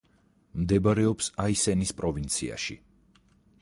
მდებარეობს აისენის პროვინციაში.